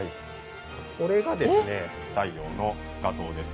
これがですね太陽の画像です。